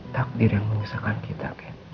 takdir yang menyesalkan kita